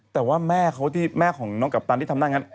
แต่ว่าแม่เขาที่แม่ของน้องกัปตันที่ทำหน้าอย่างนั้น